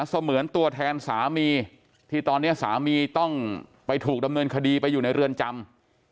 เสมือนตัวแทนสามีที่ตอนนี้สามีต้องไปถูกดำเนินคดีไปอยู่ในเรือนจำ